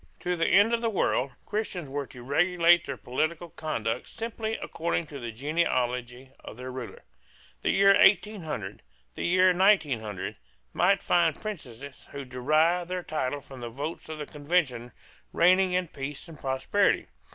To the end of the world, Christians were to regulate their political conduct simply according to the genealogy of their ruler. The year 1800, the year 1900, might find princes who derived their title from the votes of the Convention reigning in peace and prosperity.